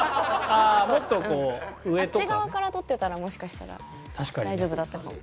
あっち側から撮ってたらもしかしたら大丈夫だったかも。